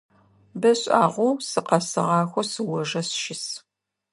Бэ шӏагъэу сыкъэсыгъахэу сыожэ сыщыс.